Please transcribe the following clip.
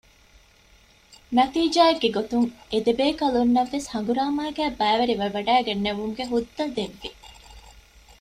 ނަތީޖާއެއްގެ ގޮތުން އެދެބޭކަލުންނަށްވެސް ހަނގުރާމައިގައި ބައިވެރިވެވަޑައިގެންނެވުމުގެ ހުއްދަ ދެއްވި